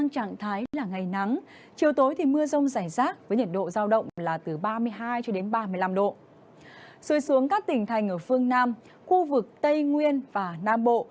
xuống các tỉnh thành ở phương nam khu vực tây nguyên và nam bộ